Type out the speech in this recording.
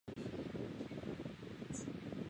潮湿的气候可能防止糖硬化。